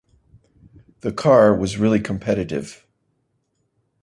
The car was really competitive.